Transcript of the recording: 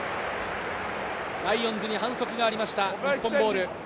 ライオンズに反則がありました、日本ボール。